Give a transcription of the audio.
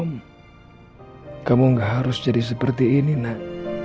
hmm kamu gak harus jadi seperti ini nak